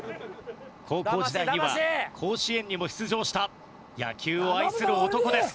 高校時代には甲子園にも出場した野球を愛する男です。